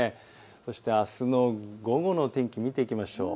そしてあすの午後の天気を見ていきましょう。